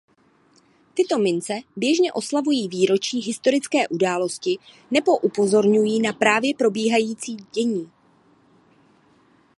Tyto mince běžně oslavují výročí historické události nebo upozorňují na právě probíhající dění.